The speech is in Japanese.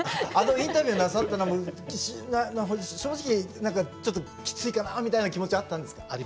あのインタビューなさったのも正直ちょっときついかなみたいな気持ちあったんですか？